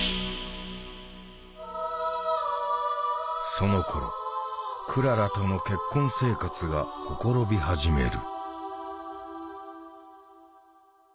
そのころクララとの結婚生活が綻び始める。